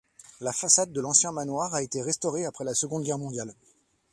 La façade de l'ancien manoir a été restaurée après la Seconde Guerre mondiale.